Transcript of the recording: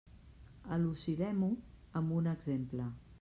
Elucidem-ho amb un exemple.